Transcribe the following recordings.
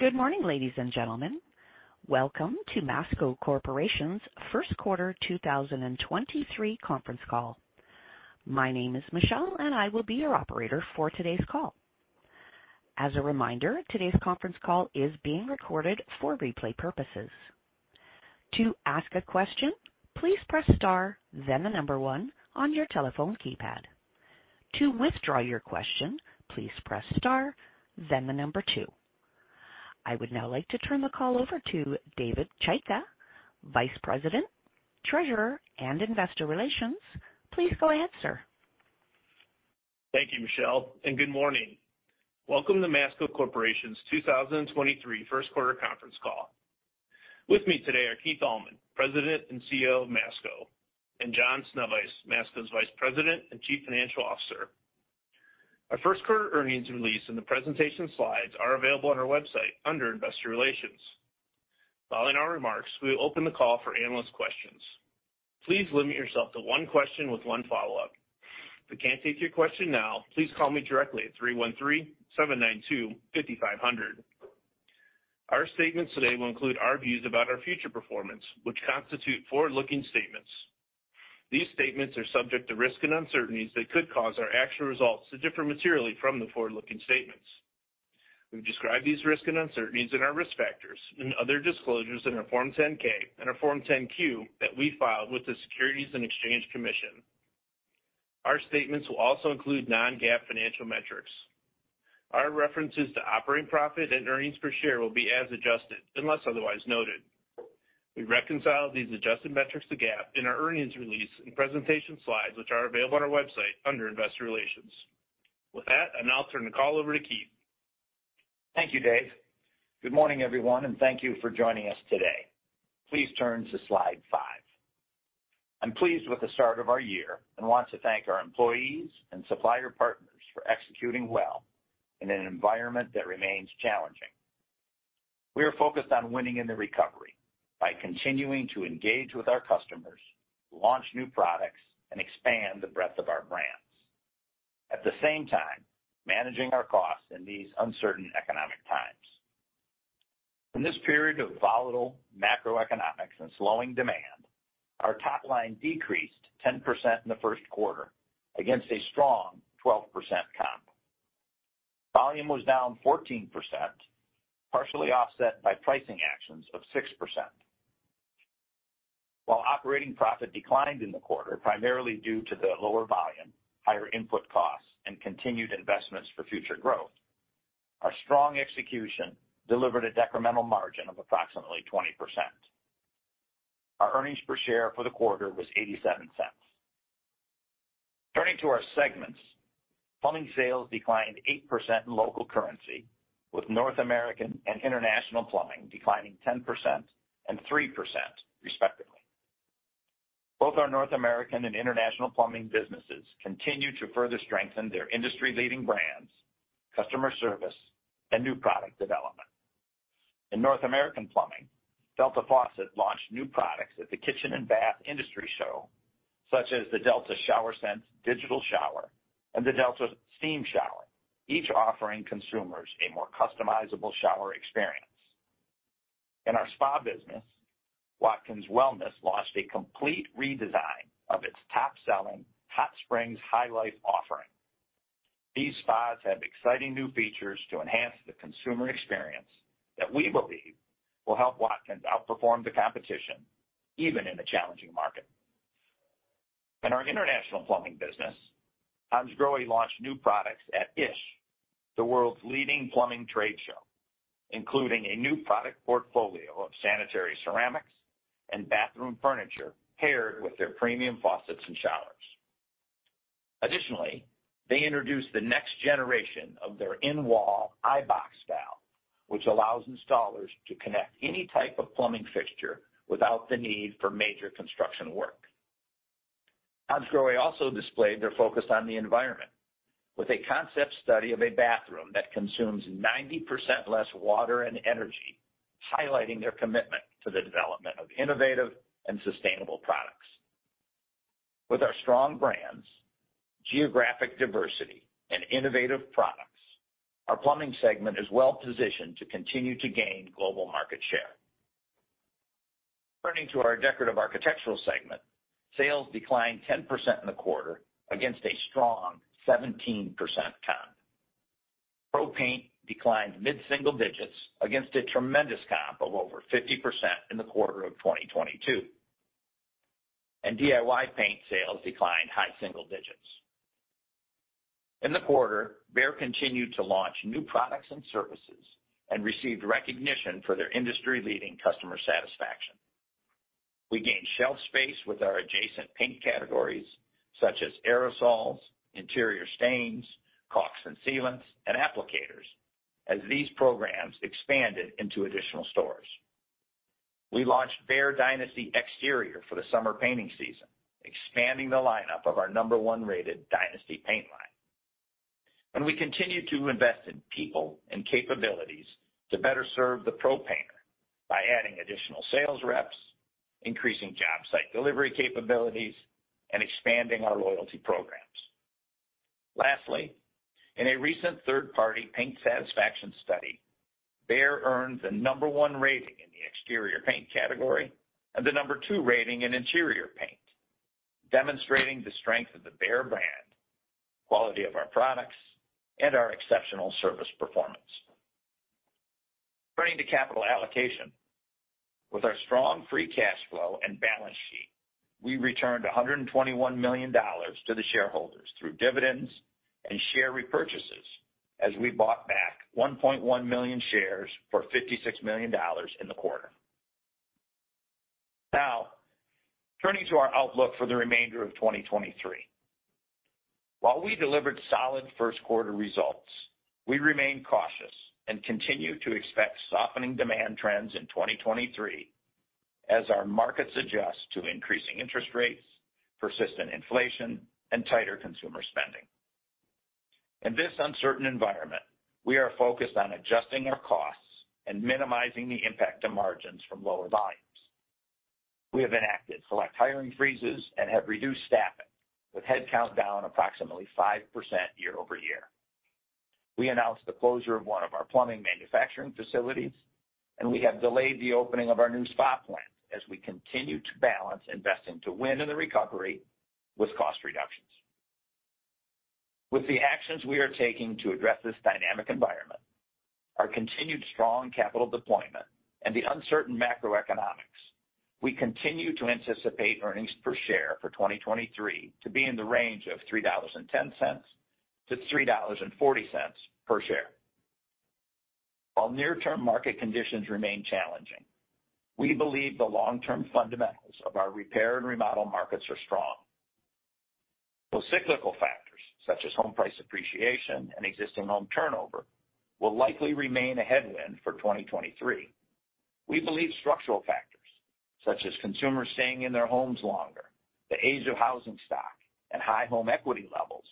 Good morning, ladies and gentlemen. Welcome to Masco Corporation's first quarter 2023 conference call. My name is Michelle. I will be your operator for today's call. As a reminder, today's conference call is being recorded for replay purposes. To ask a question, please press star then the 1 on your telephone keypad. To withdraw your question, please press star then the 2. I would now like to turn the call over to David Chaika, Vice President, Treasurer, and Investor Relations. Please go ahead, sir. Thank you, Michelle, and good morning. Welcome to Masco Corporation's 2023 first quarter conference call. With me today are Keith Allman, President and CEO of Masco, and John Sznewajs, Masco's Vice President and Chief Financial Officer. Our first quarter earnings release and the presentation slides are available on our website under Investor Relations. Following our remarks, we will open the call for analyst questions. Please limit yourself to one question with one follow-up. If we can't take your question now, please call me directly at 313-792-5500. Our statements today will include our views about our future performance, which constitute forward-looking statements. These statements are subject to risks and uncertainties that could cause our actual results to differ materially from the forward-looking statements. We've described these risks and uncertainties in our risk factors and other disclosures in our Form 10-K and our Form 10-Q that we filed with the Securities and Exchange Commission. Our statements will also include non-GAAP financial metrics. Our references to operating profit and earnings per share will be as adjusted, unless otherwise noted. We reconciled these adjusted metrics to GAAP in our earnings release and presentation slides, which are available on our website under Investor Relations. With that, I'll now turn the call over to Keith. Thank you, Dave. Good morning, everyone, and thank you for joining us today. Please turn to slide 5. I'm pleased with the start of our year and want to thank our employees and supplier partners for executing well in an environment that remains challenging. We are focused on winning in the recovery by continuing to engage with our customers, launch new products, and expand the breadth of our brands. At the same time, managing our costs in these uncertain economic times. In this period of volatile macroeconomics and slowing demand, our top line decreased 10% in the first quarter against a strong 12% comp. Volume was down 14%, partially offset by pricing actions of 6%. While operating profit declined in the quarter, primarily due to the lower volume, higher input costs, and continued investments for future growth, our strong execution delivered a decremental margin of approximately 20%. Our earnings per share for the quarter was $0.87. Turning to our segments, plumbing sales declined 8% in local currency, with North American and international plumbing declining 10% and 3% respectively. Both our North American and international plumbing businesses continued to further strengthen their industry-leading brands, customer service, and new product development. In North American plumbing, Delta Faucet launched new products at the Kitchen & Bath Industry Show, such as the Delta ShowerSense digital shower and the Delta SteamScape, each offering consumers a more customizable shower experience. In our spa business, Watkins Wellness launched a complete redesign of its top-selling Hot Spring Highlife offering. These spas have exciting new features to enhance the consumer experience that we believe will help Watkins outperform the competition, even in a challenging market. In our international plumbing business, Hansgrohe launched new products at ISH, the world's leading plumbing trade show, including a new product portfolio of sanitary ceramics and bathroom furniture paired with their premium faucets and showers. Additionally, they introduced the next generation of their in-wall iBox valve, which allows installers to connect any type of plumbing fixture without the need for major construction work. Hansgrohe also displayed their focus on the environment with a concept study of a bathroom that consumes 90% less water and energy, highlighting their commitment to the development of innovative and sustainable products. With our strong brands, geographic diversity, and innovative products, our plumbing segment is well positioned to continue to gain global market share. Turning to our Decorative Architectural segment, sales declined 10% in the quarter against a strong 17% comp. pro paint declined mid-single digits against a tremendous comp of over 50% in the quarter of 2022. DIY paint sales declined high single digits. In the quarter, Behr continued to launch new products and services and received recognition for their industry-leading customer satisfaction. We gained shelf space with our adjacent paint categories such as aerosols, interior stains, caulks and sealants, and applicators as these programs expanded into additional stores. We launched BEHR DYNASTY Exterior for the summer painting season, expanding the lineup of our number one-rated DYNASTY paint line. We continued to invest in people and capabilities to better serve the PRO painter by adding additional sales reps, increasing job site delivery capabilities, and expanding our loyalty programs. Lastly, in a recent third-party paint satisfaction study, Behr earned the number 1 rating in the exterior paint category and the number 2 rating in interior paint, demonstrating the strength of the Behr brand, quality of our products, and our exceptional service performance. Turning to capital allocation. With our strong free cash flow and balance sheet, we returned $121 million to the shareholders through dividends and share repurchases, as we bought back 1.1 million shares for $56 million in the quarter. Now, turning to our outlook for the remainder of 2023. While we delivered solid first quarter results, we remain cautious and continue to expect softening demand trends in 2023 as our markets adjust to increasing interest rates, persistent inflation, and tighter consumer spending. In this uncertain environment, we are focused on adjusting our costs and minimizing the impact to margins from lower volumes. We have enacted select hiring freezes and have reduced staffing with headcount down approximately 5% year-over-year. We announced the closure of one of our plumbing manufacturing facilities. We have delayed the opening of our new spa plant as we continue to balance investing to win in the recovery with cost reductions. With the actions we are taking to address this dynamic environment, our continued strong capital deployment and the uncertain macroeconomics, we continue to anticipate earnings per share for 2023 to be in the range of $3.10 to $3.40 per share. While near-term market conditions remain challenging, we believe the long-term fundamentals of our repair and remodel markets are strong. While cyclical factors, such as home price appreciation and existing home turnover will likely remain a headwind for 2023, we believe structural factors such as consumers staying in their homes longer, the age of housing stock, and high home equity levels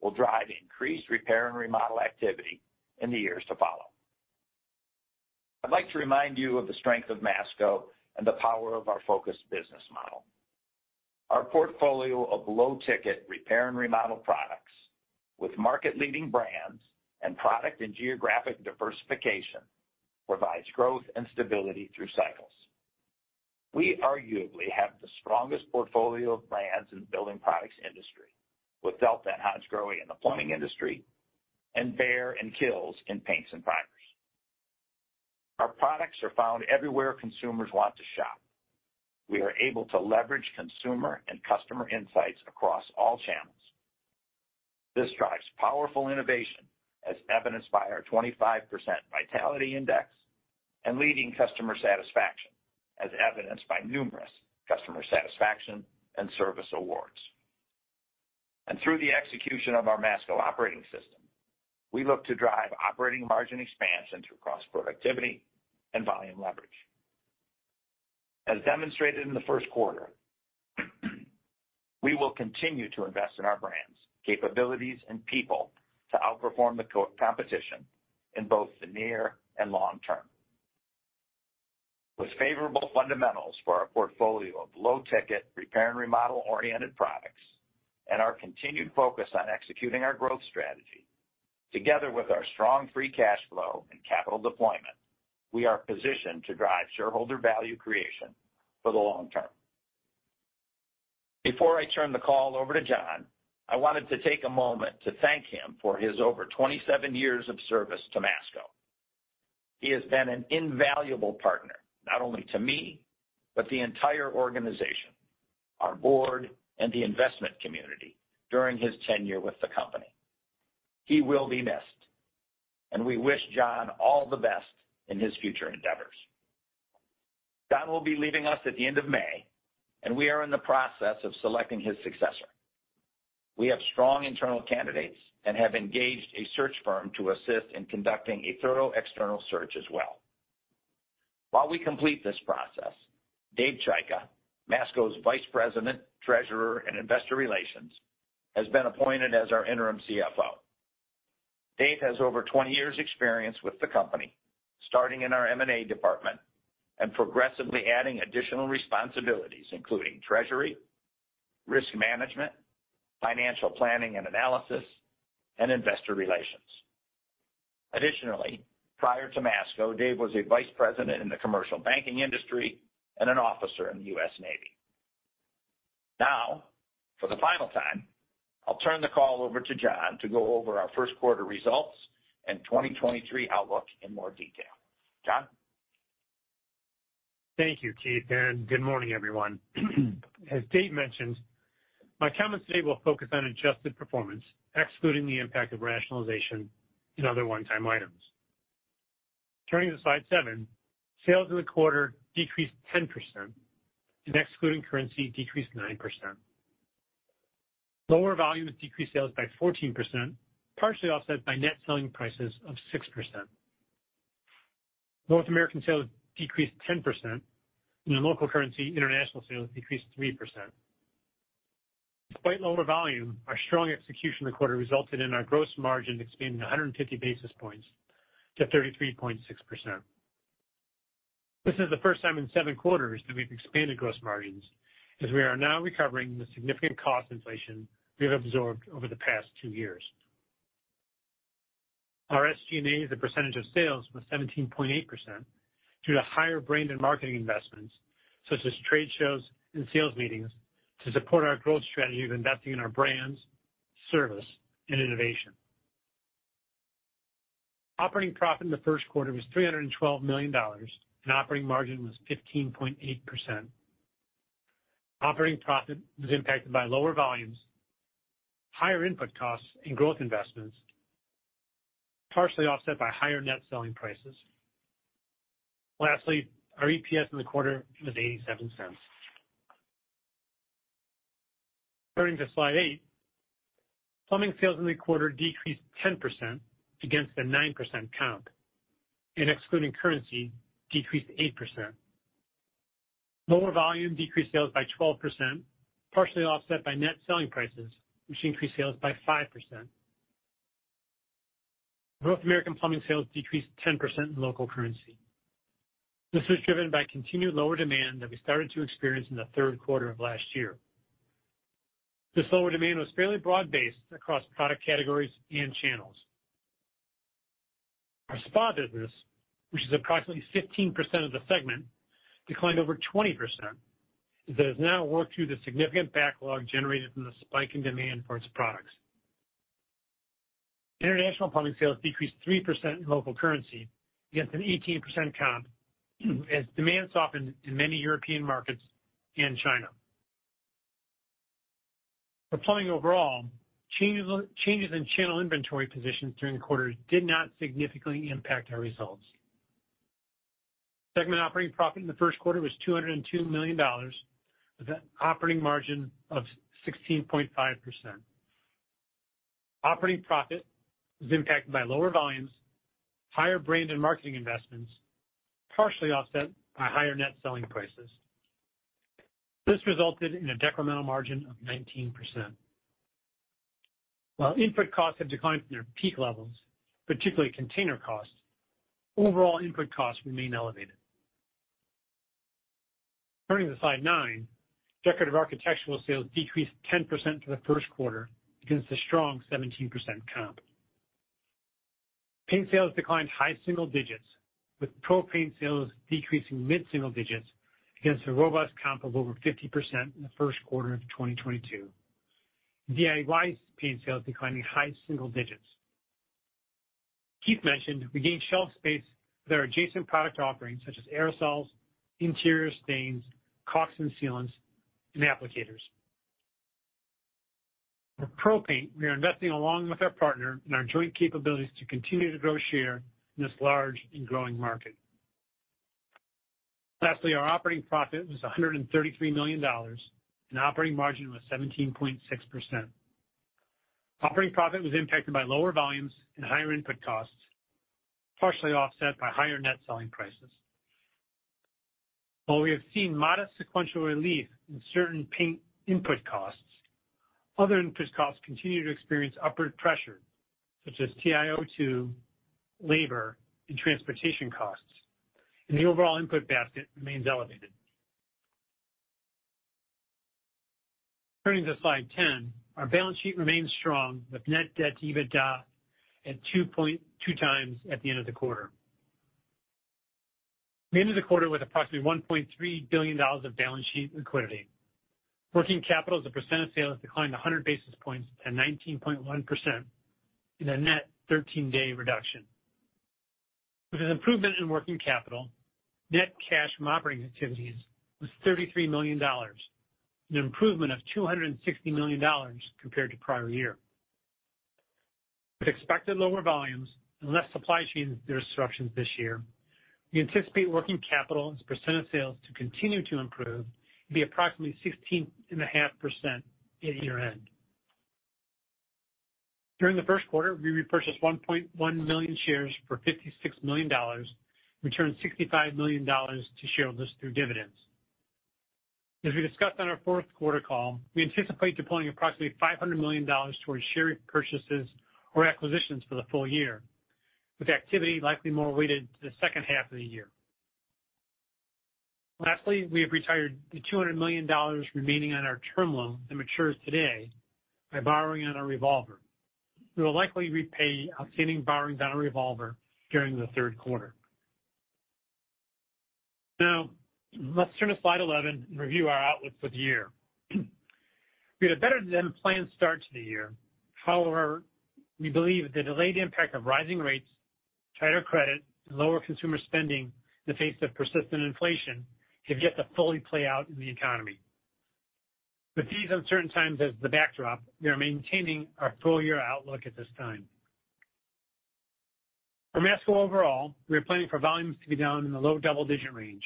will drive increased repair and remodel activity in the years to follow. I'd like to remind you of the strength of Masco and the power of our focused business model. Our portfolio of low-ticket repair and remodel products with market-leading brands and product and geographic diversification provides growth and stability through cycles. We arguably have the strongest portfolio of brands in the building products industry with Delta and Hansgrohe in the plumbing industry and Behr and KILZ in paints and primers. Our products are found everywhere consumers want to shop. We are able to leverage consumer and customer insights across all channels. This drives powerful innovation, as evidenced by our 25% Vitality Index and leading customer satisfaction, as evidenced by numerous customer satisfaction and service awards. Through the execution of our Masco Operating System, we look to drive operating margin expansion through cross-productivity and volume leverage. As demonstrated in the first quarter, we will continue to invest in our brands, capabilities, and people to outperform the co-competition in both the near and long term. With favorable fundamentals for our portfolio of low-ticket repair and remodel-oriented products and our continued focus on executing our growth strategy, together with our strong free cash flow and capital deployment, we are positioned to drive shareholder value creation for the long term. Before I turn the call over to John, I wanted to take a moment to thank him for his over 27 years of service to Masco. He has been an invaluable partner, not only to me, but the entire organization, our board, and the investment community during his tenure with the company. He will be missed, and we wish John all the best in his future endeavors. John will be leaving us at the end of May, and we are in the process of selecting his successor. We have strong internal candidates and have engaged a search firm to assist in conducting a thorough external search as well. While we complete this process, Dave Chaika, Masco's Vice President, Treasurer, and Investor Relations, has been appointed as our interim CFO. Dave has over 20 years experience with the company, starting in our M&A department and progressively adding additional responsibilities, including treasury, risk management, financial planning and analysis, and investor relations. Additionally, prior to Masco, Dave was a vice president in the commercial banking industry and an officer in the U.S. Navy. Now, for the final time, I'll turn the call over to John to go over our first quarter results and 2023 outlook in more detail. John? Thank you, Keith, and good morning, everyone. As Dave mentioned, my comments today will focus on adjusted performance, excluding the impact of rationalization and other one-time items. Turning to slide 7. Sales in the quarter decreased 10% and excluding currency, decreased 9%. Lower volume decreased sales by 14%, partially offset by net selling prices of 6%. North American sales decreased 10% and in local currency, international sales decreased 3%. Despite lower volume, our strong execution in the quarter resulted in our gross margin expanding 150 basis points to 33.6%. This is the first time in seven quarters that we've expanded gross margins, as we are now recovering the significant cost inflation we have absorbed over the past two years. Our SG&A as a percentage of sales was 17.8% due to higher brand and marketing investments, such as trade shows and sales meetings to support our growth strategy of investing in our brands, service, and innovation. Operating profit in the first quarter was $312 million, and operating margin was 15.8%. Operating profit was impacted by lower volumes, higher input costs and growth investments, partially offset by higher net selling prices. Lastly, our EPS in the quarter was $0.87. Turning to slide 8. Plumbing sales in the quarter decreased 10% against the 9% comp, and excluding currency decreased 8%. Lower volume decreased sales by 12%, partially offset by net selling prices, which increased sales by 5%. North American plumbing sales decreased 10% in local currency. This was driven by continued lower demand that we started to experience in the third quarter of last year. This lower demand was fairly broad-based across product categories and channels. Our spa business, which is approximately 15% of the segment, declined over 20% as it has now worked through the significant backlog generated from the spike in demand for its products. International plumbing sales decreased 3% in local currency against an 18% comp as demand softened in many European markets and China. For plumbing overall, changes in channel inventory positions during the quarter did not significantly impact our results. Segment operating profit in the first quarter was $202 million, with an operating margin of 16.5%. Operating profit was impacted by lower volumes, higher brand and marketing investments, partially offset by higher net selling prices. This resulted in a decremental margin of 19%. While input costs have declined from their peak levels, particularly container costs, overall input costs remain elevated. Turning to slide 9. Decorative Architectural sales decreased 10% for the first quarter against a strong 17% comp. Paint sales declined high single digits, with pro paint sales decreasing mid-single digits against a robust comp of over 50% in the first quarter of 2022. DIY paint sales declining high single digits. Keith mentioned we gained shelf space with our adjacent product offerings such as aerosols, interior stains, caulks and sealants, and applicators. With pro paint, we are investing along with our partner in our joint capabilities to continue to grow share in this large and growing market. Lastly, our operating profit was $133 million, and operating margin was 17.6%. Operating profit was impacted by lower volumes and higher input costs, partially offset by higher net selling prices. While we have seen modest sequential relief in certain paint input costs, other input costs continue to experience upward pressure such as TiO2, labor, and transportation costs, and the overall input basket remains elevated. Turning to slide 10. Our balance sheet remains strong with net debt to EBITDA at 2.2 times at the end of the quarter. We ended the quarter with approximately $1.3 billion of balance sheet liquidity. Working capital as a percent of sales declined 100 basis points to 19.1% in a net 13-day reduction. With an improvement in working capital, net cash from operating activities was $33 million, an improvement of $260 million compared to prior year. With expected lower volumes and less supply chain disruptions this year, we anticipate working capital as a percent of sales to continue to improve and be approximately 16.5% at year-end. During the 1st quarter, we repurchased 1.1 million shares for $56 million, returned $65 million to shareholders through dividends. As we discussed on our 4th quarter call, we anticipate deploying approximately $500 million towards share purchases or acquisitions for the full year, with activity likely more weighted to the 2nd half of the year. Lastly, we have retired the $200 million remaining on our term loan that matures today by borrowing on our revolver. We will likely repay outstanding borrowings on our revolver during the 3rd quarter. Now, let's turn to slide 11 and review our outlook for the year. We had a better-than-planned start to the year. However, we believe the delayed impact of rising rates, tighter credit, and lower consumer spending in the face of persistent inflation have yet to fully play out in the economy. With these uncertain times as the backdrop, we are maintaining our full-year outlook at this time. For Masco overall, we are planning for volumes to be down in the low double-digit range,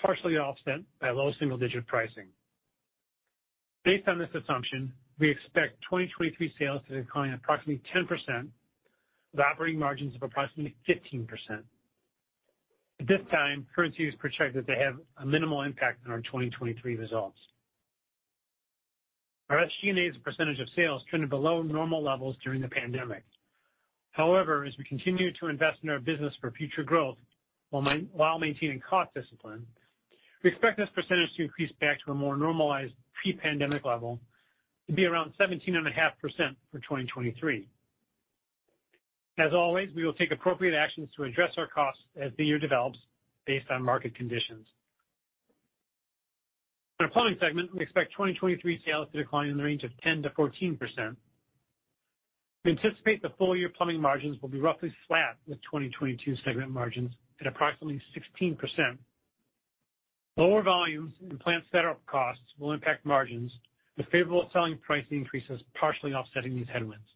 partially offset by low single-digit pricing. Based on this assumption, we expect 2023 sales to decline approximately 10% with operating margins of approximately 15%. At this time, currency is projected to have a minimal impact on our 2023 results. Our SG&A as a % of sales trended below normal levels during the pandemic. However, as we continue to invest in our business for future growth while maintaining cost discipline, we expect this percentage to increase back to a more normalized pre-pandemic level to be around 17.5% for 2023. As always, we will take appropriate actions to address our costs as the year develops based on market conditions. In our plumbing segment, we expect 2023 sales to decline in the range of 10%-14%. We anticipate the full year plumbing margins will be roughly flat with 2022 segment margins at approximately 16%. Lower volumes and plant setup costs will impact margins, with favorable selling pricing increases partially offsetting these headwinds.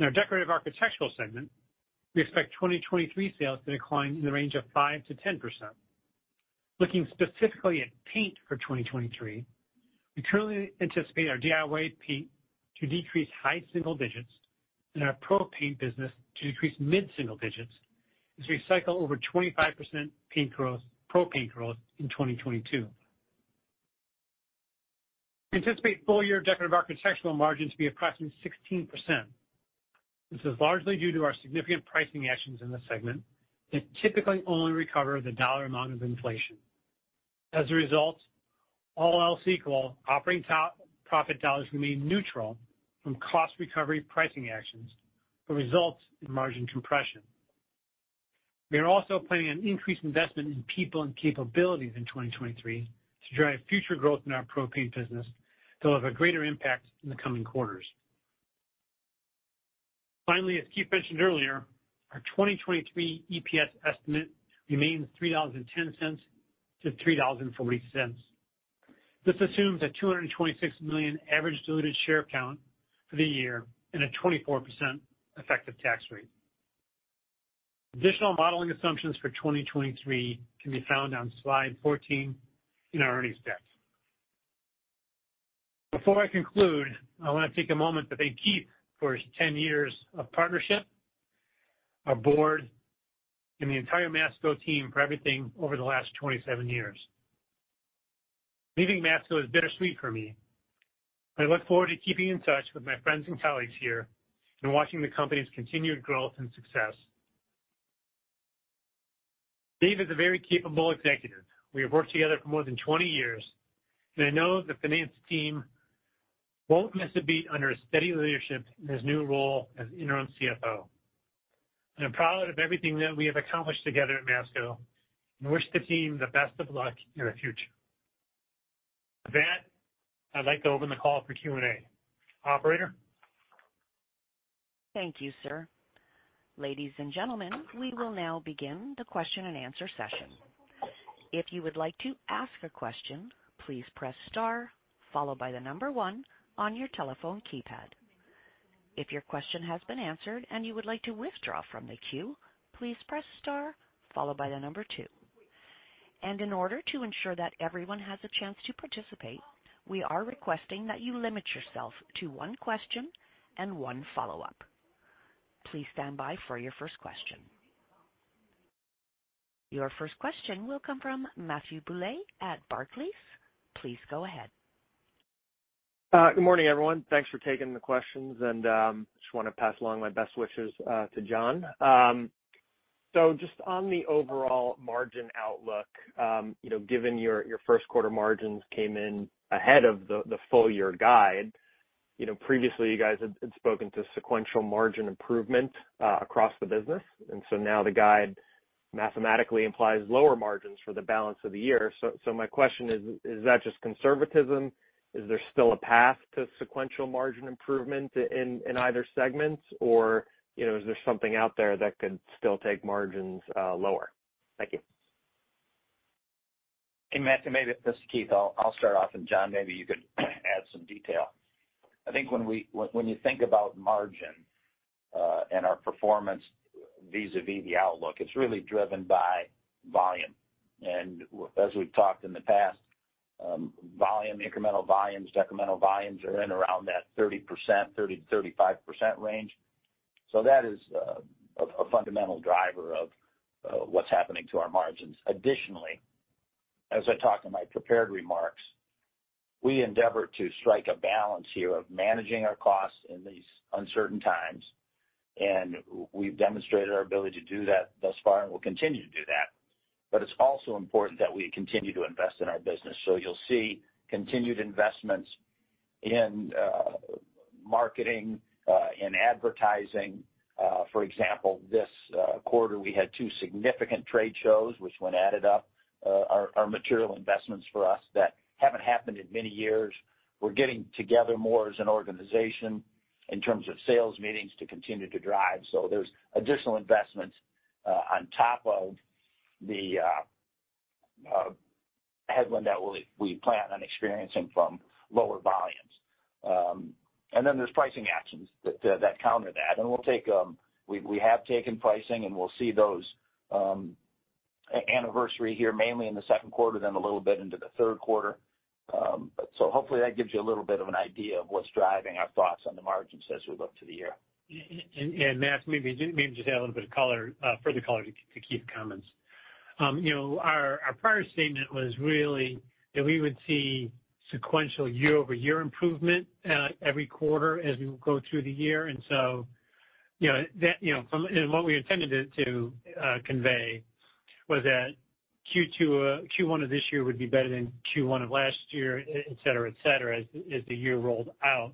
In our Decorative Architectural segment, we expect 2023 sales to decline in the range of 5%-10%. Looking specifically at paint for 2023, we currently anticipate our DIY paint to decrease high single digits and our pro paint business to decrease mid-single digits as we cycle over 25% paint growth, pro paint growth in 2022. We anticipate full year Decorative Architectural margin to be approximately 16%. This is largely due to our significant pricing actions in this segment that typically only recover the dollar amount of inflation. As a result, all else equal, operating to-profit dollars remain neutral from cost recovery pricing actions but results in margin compression. We are also planning on increased investment in people and capabilities in 2023 to drive future growth in our pro paint business that will have a greater impact in the coming quarters. Finally, as Keith mentioned earlier, our 2023 EPS estimate remains $3.10-$3.40. This assumes a $226 million average diluted share count for the year and a 24% effective tax rate. Additional modeling assumptions for 2023 can be found on slide 14 in our earnings deck. Before I conclude, I wanna take a moment to thank Keith for his 10 years of partnership, our board, and the entire Masco team for everything over the last 27 years. Leaving Masco is bittersweet for me. I look forward to keeping in touch with my friends and colleagues here and watching the company's continued growth and success. Dave is a very capable executive. We have worked together for more than 20 years, and I know the finance team won't miss a beat under his steady leadership in his new role as interim CFO. I'm proud of everything that we have accomplished together at Masco and wish the team the best of luck in the future. With that, I'd like to open the call for Q&A. Operator? Thank you, sir. Ladies and gentlemen, we will now begin the question and answer session. If you would like to ask a question, please press star followed by 1 on your telephone keypad. If your question has been answered and you would like to withdraw from the queue, please press star followed by 2. In order to ensure that everyone has a chance to participate, we are requesting that you limit yourself to 1 question and 1 follow-up. Please stand by for your first question. Your first question will come from Matthew Bouley at Barclays. Please go ahead. Good morning, everyone. Thanks for taking the questions, and just wanna pass along my best wishes to John. Just on the overall margin outlook, you know, given your first quarter margins came in ahead of the full year guide. You know, previously you guys had spoken to sequential margin improvement across the business, now the guide mathematically implies lower margins for the balance of the year. My question is that just conservatism? Is there still a path to sequential margin improvement in either segments? You know, is there something out there that could still take margins lower? Thank you. Hey, Matthew, maybe this is Keith. I'll start off, and John, maybe you could add some detail. I think when you think about margin, and our performance vis-a-vis the outlook, it's really driven by volume. As we've talked in the past, volume, incremental volumes, decremental volumes are in around that 30%, 30%-35% range. That is a fundamental driver of what's happening to our margins. Additionally, as I talked in my prepared remarks, we endeavor to strike a balance here of managing our costs in these uncertain times, and we've demonstrated our ability to do that thus far, and we'll continue to do that. It's also important that we continue to invest in our business. You'll see continued investments in marketing, in advertising. For example, this quarter, we had 2 significant trade shows, which when added up, are material investments for us that haven't happened in many years. We're getting together more as an organization in terms of sales meetings to continue to drive. There's additional investments on top of the headwind that we plan on experiencing from lower volumes. There's pricing actions that counter that. We have taken pricing, and we'll see those anniversary here mainly in the second quarter, then a little bit into the third quarter. Hopefully that gives you a little bit of an idea of what's driving our thoughts on the margins as we look to the year. And Matt, maybe just add a little bit of color, further color to Keith's comments. You know, our prior statement was really that we would see sequential year-over-year improvement every quarter as we go through the year. You know, that, you know, and what we intended it to convey was that Q1 of this year would be better than Q1 of last year, et cetera, et cetera, as the year rolled out.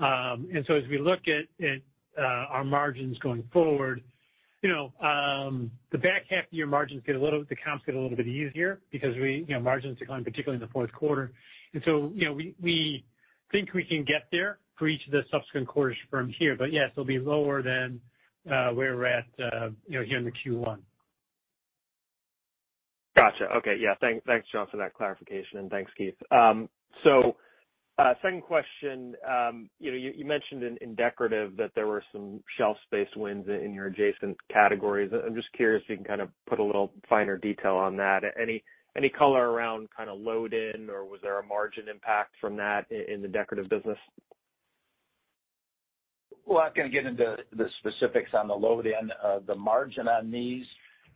As we look at our margins going forward, you know, the back half of your margins get a little the comps get a little bit easier because we, margins decline, particularly in the fourth quarter. You know, we think we can get there for each of the subsequent quarters from here. Yeah, it'll be lower than, where we're at, you know, here in the Q1. Gotcha. Okay. Thanks John for that clarification, and thanks, Keith. Second question. you know, you mentioned in Decorative that there were some shelf space wins in your adjacent categories. I'm just curious if you can kind of put a little finer detail on that. Any color around kinda load in or was there a margin impact from that in the Decorative business? Well, I'm not gonna get into the specifics on the load in. The margin on these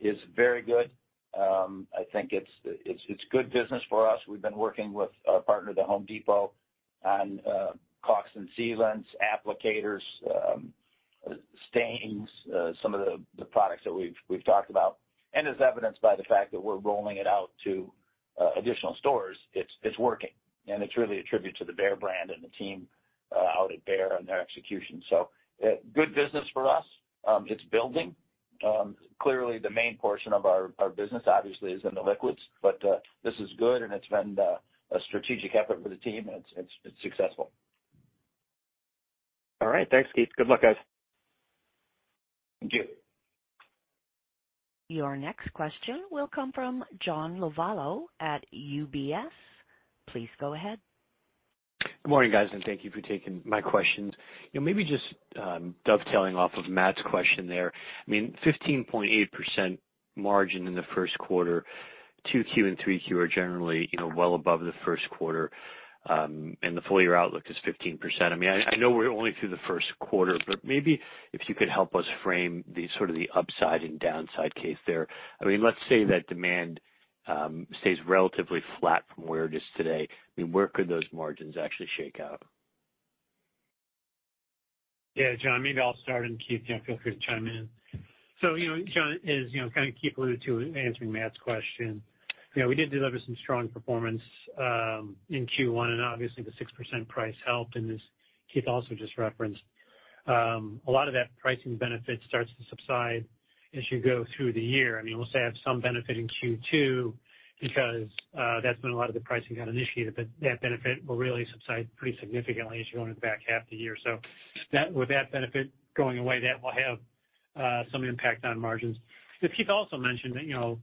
is very good. I think it's good business for us. We've been working with our partner, The Home Depot on caulks and sealants, applicators, stains, some of the products that we've talked about. As evidenced by the fact that we're rolling it out to additional stores, it's working, and it's really a tribute to the Behr brand and the team out at Behr and their execution. Good business for us. It's building. Clearly the main portion of our business obviously is in the liquids, but this is good and it's been a strategic effort for the team, and it's successful. All right. Thanks, Keith. Good luck, guys. Thank you. Your next question will come from John Lovallo at UBS. Please go ahead. Good morning, guys. Thank you for taking my questions. You know, maybe just, dovetailing off of Matt's question there. I mean, 15.8% margin in the 1st quarter, 2Q and 3Q are generally, you know, well above the 1st quarter, and the full year outlook is 15%. I mean, I know we're only through the 1st quarter, but maybe if you could help us frame the sort of the upside and downside case there. I mean, let's say that demand, stays relatively flat from where it is today. I mean, where could those margins actually shake out? John, maybe I'll start, and Keith, you know, feel free to chime in. You know, John, as you know, kind of Keith alluded to answering Matt's question. You know, we did deliver some strong performance in Q1, and obviously the 6% price helped, and as Keith also just referenced, a lot of that pricing benefit starts to subside as you go through the year. I mean, we'll still have some benefit in Q2 because that's when a lot of the pricing got initiated, that benefit will really subside pretty significantly as you go into the back half of the year. With that benefit going away, that will have some impact on margins. Keith also mentioned that, you know,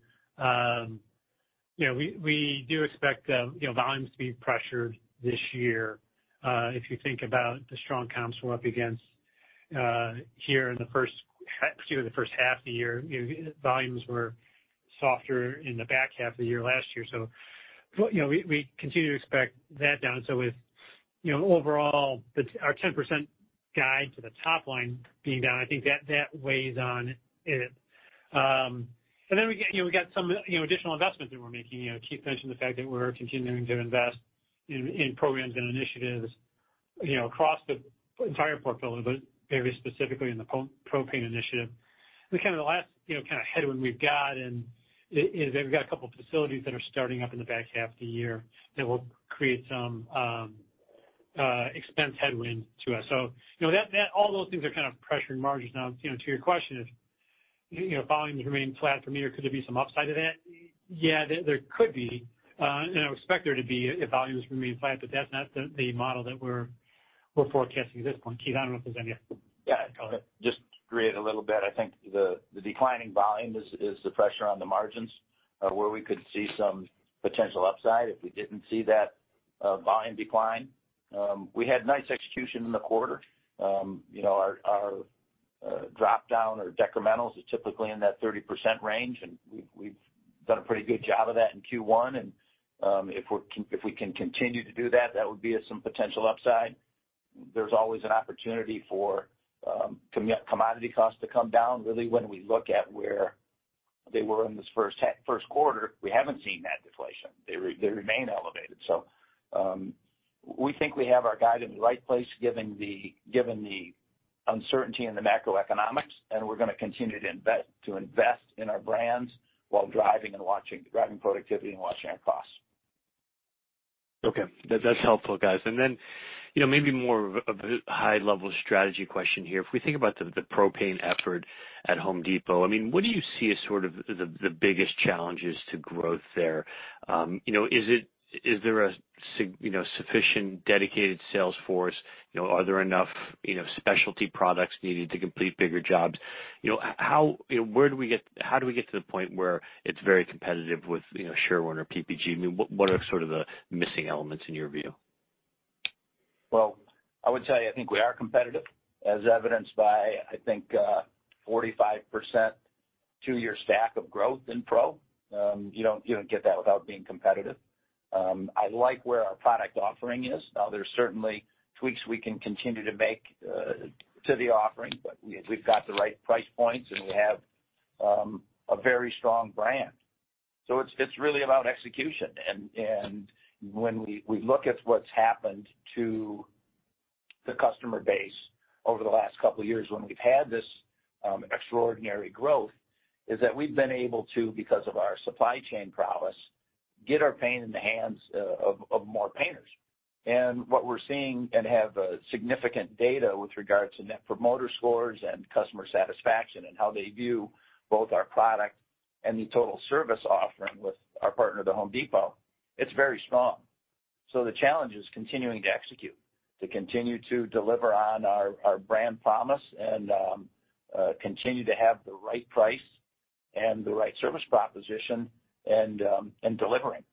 we do expect volumes to be pressured this year. If you think about the strong comps we're up against, here in the first, excuse me, the first half of the year, you know, volumes were softer in the back half of the year last year. You know, we continue to expect that down. With, you know, overall our 10% guide to the top line being down, I think that weighs on it. We get, you know, we got some, you know, additional investments that we're making. You know, Keith mentioned the fact that we're continuing to invest in programs and initiatives, you know, across the entire portfolio, but very specifically in the PRO painter initiative. Kind of the last, you know, kind of headwind we've got and is they've got 2 facilities that are starting up in the back half of the year that will create some expense headwind to us. You know, that all those things are kind of pressuring margins. Now, you know, to your question, if, you know, volumes remain flat for me or could there be some upside to that? Yeah, there could be, and I would expect there to be if volumes remain flat, but that's not the model that we're forecasting at this point. Keith, I don't know if there's any. Just to create a little bit. I think the declining volume is the pressure on the margins, where we could see some potential upside if we didn't see that volume decline. We had nice execution in the quarter. You know, our drop down or decrementals is typically in that 30% range, and we've done a pretty good job of that in Q1. If we can continue to do that would be of some potential upside. There's always an opportunity for commodity costs to come down. Really, when we look at where they were in this first quarter, we haven't seen that deflation. They remain elevated. We think we have our guide in the right place given the uncertainty in the macroeconomics, and we're gonna continue to invest in our brands while driving productivity and watching our costs. Okay. That's helpful, guys. Then, you know, maybe more of a high level strategy question here. If we think about the pro paint effort at The Home Depot, I mean, what do you see as sort of the biggest challenges to growth there? You know, is there sufficient dedicated sales force? You know, are there enough, you know, specialty products needed to complete bigger jobs? You know, how, you know, how do we get to the point where it's very competitive with, you know, Sherwin or PPG? I mean, what are sort of the missing elements in your view? Well, I would tell you, I think we are competitive as evidenced by, I think, 45% two-year stack of growth in pro. You don't get that without being competitive. I like where our product offering is. Now, there's certainly tweaks we can continue to make to the offering, but we've got the right price points, and we have a very strong brand. It's really about execution. When we look at what's happened to the customer base over the last couple of years when we've had this extraordinary growth, is that we've been able to, because of our supply chain prowess, get our paint in the hands of more painters. What we're seeing and have significant data with regard to Net Promoter Score and customer satisfaction and how they view both our product and the total service offering with our partner, The Home Depot, it's very strong. The challenge is continuing to execute, to continue to deliver on our brand promise and continue to have the right price and the right service proposition and delivering.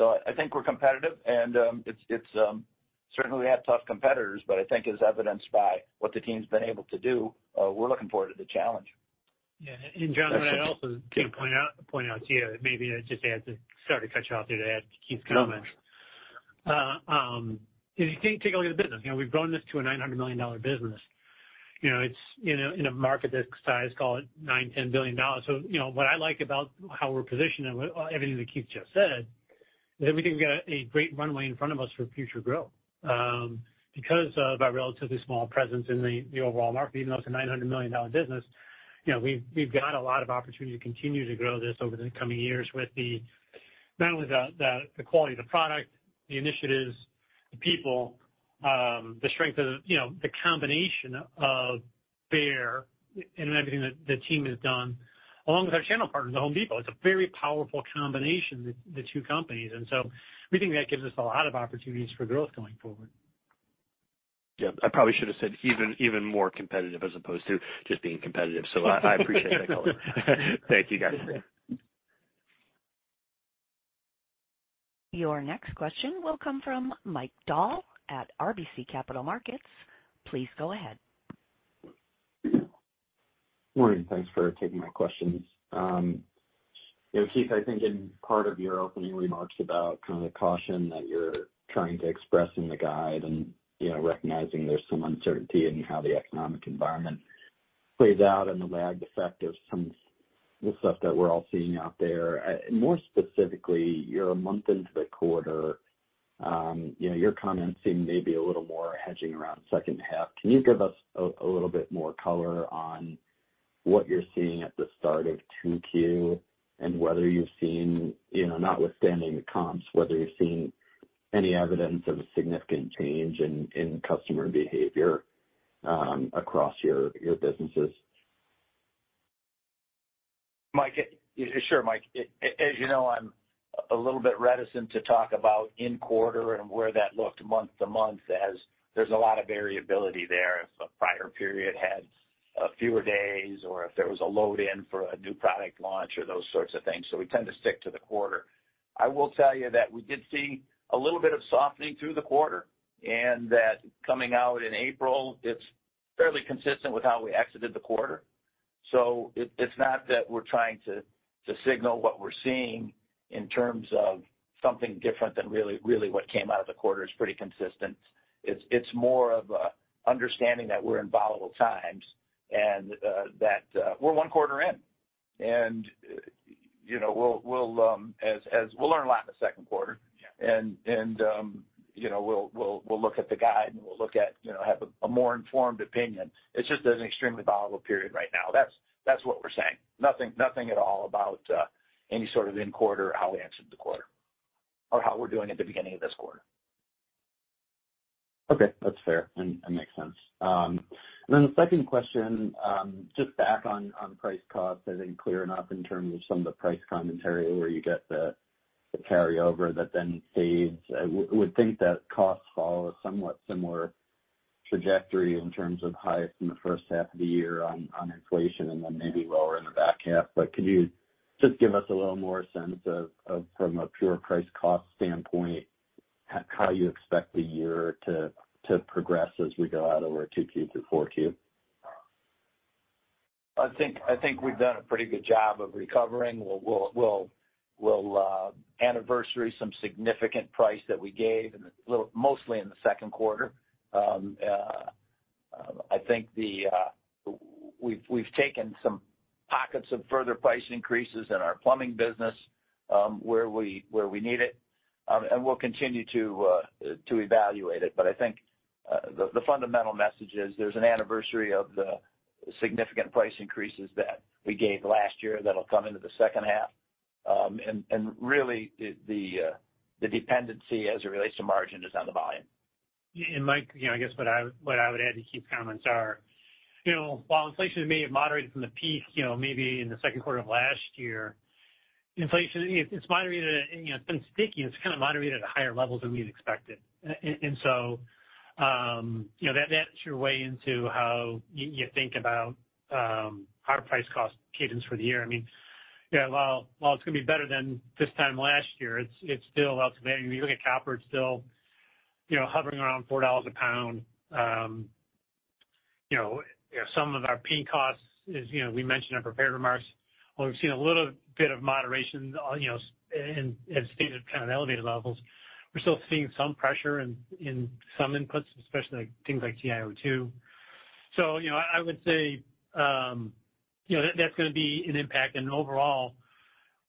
I think we're competitive and it's certainly we have tough competitors, but I think as evidenced by what the team's been able to do, we're looking forward to the challenge. Yeah. John, what I'd also to point out to you, sorry to cut you off there, to add to Keith's comments. No. If you take a look at the business, you know, we've grown this to a $900 million business. You know, it's in a market that's sized, call it, $9 billion-$10 billion. What I like about how we're positioned and everything that Keith just said, is that we think we've got a great runway in front of us for future growth. Because of our relatively small presence in the overall market, even though it's a $900 million business, you know, we've got a lot of opportunity to continue to grow this over the coming years with not only the quality of the product, the initiatives, the people, the strength of the, you know, the combination of Behr and everything that the team has done, along with our channel partner, The Home Depot. It's a very powerful combination, the two companies. We think that gives us a lot of opportunities for growth going forward. Yeah, I probably should have said even more competitive as opposed to just being competitive. I appreciate that color. Thank you, guys. Your next question will come from Mike Dahl at RBC Capital Markets. Please go ahead. Morning. Thanks for taking my questions. you know, Keith, I think in part of your opening remarks about kind of the caution that you're trying to express in the guide and, you know, recognizing there's some uncertainty in how the economic environment plays out and the lagged effect of some of the stuff that we're all seeing out there. More specifically, you're a month into the quarter. you know, your comments seem maybe a little more hedging around second half. Can you give us a little bit more color on what you're seeing at the start of 2Q and whether you've seen, you know, notwithstanding the comps, whether you've seen any evidence of a significant change in customer behavior, across your businesses? Sure, Mike. As you know, I'm a little bit reticent to talk about in quarter and where that looked month-to-month as there's a lot of variability there. If a prior period had fewer days or if there was a load in for a new product launch or those sorts of things. We tend to stick to the quarter. I will tell you that we did see a little bit of softening through the quarter, and that coming out in April, it's fairly consistent with how we exited the quarter. It's not that we're trying to signal what we're seeing in terms of something different than really what came out of the quarter is pretty consistent. It's more of understanding that we're in volatile times and that we're one quarter in. you know, as we'll learn a lot in the second quarter. Yeah. You know, we'll look at the guide and we'll look at, you know, have a more informed opinion. It's just an extremely volatile period right now. That's what we're saying. Nothing at all about any sort of in quarter, how we answered the quarter or how we're doing at the beginning of this quarter. Okay, that's fair and makes sense. Then the second question, just back on price costs. I think clear enough in terms of some of the price commentary where you get the carryover that then saves. I would think that costs follow a somewhat similar trajectory in terms of highs in the first half of the year on inflation and then maybe lower in the back half. Could you just give us a little more sense of from a pure price cost standpoint, how you expect the year to progress as we go out over 2Q through 4Q? I think we've done a pretty good job of recovering. We'll anniversary some significant price that we gave mostly in the second quarter. I think we've taken some pockets of further price increases in our plumbing business, where we need it, and we'll continue to evaluate it. I think the fundamental message is there's an anniversary of the significant price increases that we gave last year that'll come into the second half. Really the dependency as it relates to margin is on the volume. Mike, you know, I guess what I would add to Keith's comments are, you know, while inflation may have moderated from the peak, you know, maybe in the second quarter of last year, inflation, it's moderated, you know, it's been sticky, and it's kind of moderated at higher levels than we'd expected. And so, you know, that's your way into how you think about our price cost cadence for the year. I mean, yeah, while it's gonna be better than this time last year, it's still out there. You look at copper, it's still, you know, hovering around $4 a pound. You know, some of our paying costs is, you know, we mentioned in prepared remarks, while we've seen a little bit of moderation, you know, and have stayed at kind of elevated levels, we're still seeing some pressure in some inputs, especially like things like TiO2. You know, I would say, you know, that's gonna be an impact. Overall,